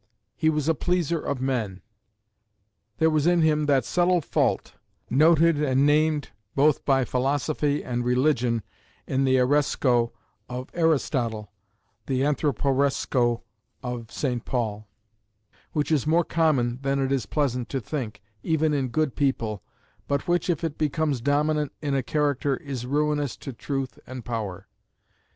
He was a pleaser of men. There was in him that subtle fault, noted and named both by philosophy and religion in the [Greek: areskos] of Aristotle, the [Greek: anthrôpareskos] of St. Paul, which is more common than it is pleasant to think, even in good people, but which if it becomes dominant in a character is ruinous to truth and power.